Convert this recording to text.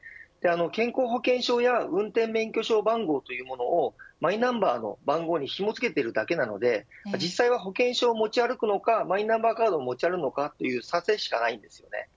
健康保険証や運転免許証番号というものをマイナンバーの番号にひもづけているだけなので実際は保険証を持ち歩くのかマイナンバーカードを持ち歩くのかという差しかありません。